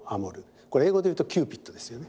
これ英語で言うとキューピッドですよね。